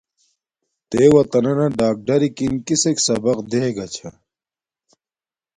تے وتننا ڈاگ ڈرکن کسک سبق دیں گا چھاہ۔